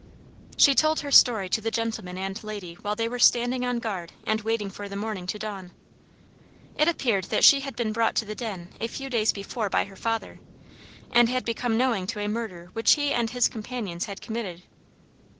She told her story to the gentleman and lady while they were standing on guard and waiting for the morning to dawn. It appeared that she had been brought to the den a few days before by her father, and had become knowing to a murder which he and his companions had committed.